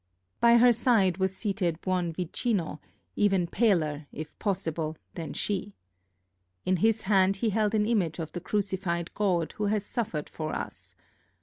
By her side was seated Buonvicino, even paler, if possible, than she. In his hand he held an image of the Crucified God who has suffered for us.